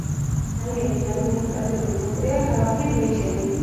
რაიონის ადმინისტრაციული ცენტრია ქალაქი ბრიჩენი.